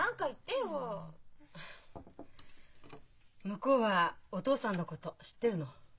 向こうはお父さんのこと知ってるの？